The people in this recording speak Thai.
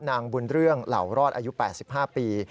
นางบุญเรื่องเหล่ารอดอายุ๘๕ปี